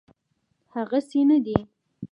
هغسي نه دی.